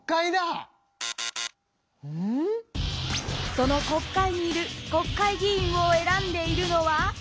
その国会にいる国会議員を選んでいるのは？